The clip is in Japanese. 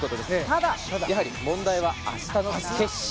ただ、問題は明日の決勝。